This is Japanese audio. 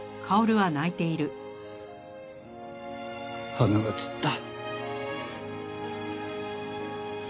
花が散った。